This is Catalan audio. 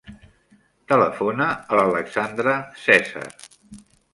Telefona a l'Alexandra Cesar.